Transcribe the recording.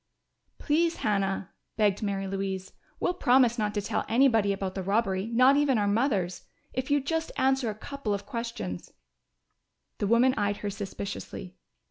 "Please, Hannah!" begged Mary Louise. "We'll promise not to tell anybody about the robbery not even our mothers. If you'd just answer a couple of questions " The woman eyed her suspiciously.